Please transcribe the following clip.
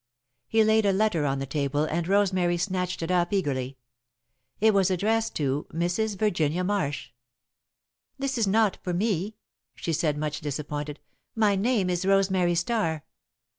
He laid a letter on the table and Rosemary snatched it up eagerly. It was addressed to Mrs. Virginia Marsh. "That is not for me," she said, much disappointed. "My name is Rosemary Starr."